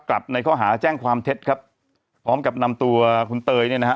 ในข้อหาแจ้งความเท็จครับพร้อมกับนำตัวคุณเตยเนี่ยนะฮะ